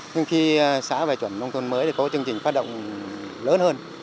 thì có chương trình phát động lớn hơn